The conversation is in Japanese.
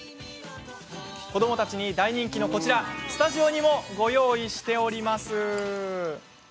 子どもたちに大人気のこちらスタジオにもご用意しました。